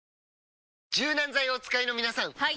柔軟剤をお使いの皆さんはい！